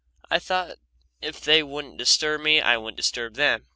I thought if they wouldn't disturb me I wouldn't disturb them.